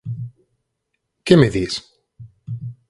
Que me dis?